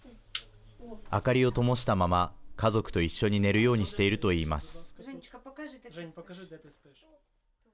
明かりをともしたまま家族と一緒に寝るようにしているといいます。